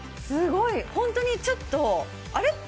すごい、本当にちょっと、あれ？